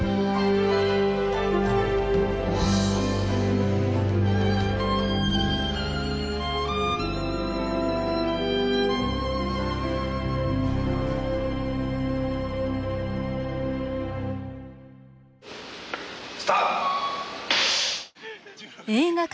え⁉スタート。